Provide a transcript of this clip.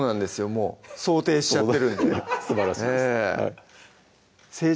もう想定しちゃってるんですばらしいですええ